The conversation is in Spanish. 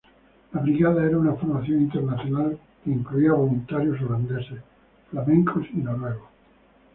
La brigada era una formación internacional que incluía voluntarios holandeses, flamencos y noruegos.